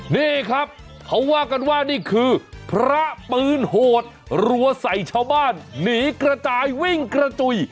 นี่ครับเขาว่ากันว่านี่คือพระปืนโหดรัวใส่ชาวบ้านหนีกระจายวิ่งกระจุย